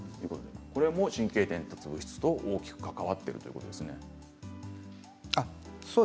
これも神経伝達物質と大きく関わっているということです。